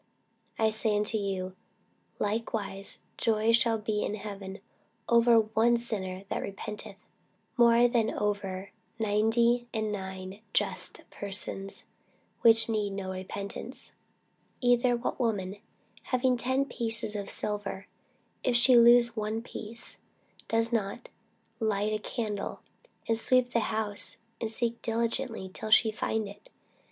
I say unto you, that likewise joy shall be in heaven over one sinner that repenteth, more than over ninety and nine just persons, which need no repentance. Either what woman having ten pieces of silver, if she lose one piece, doth not light a candle, and sweep the house, and seek diligently till she find it?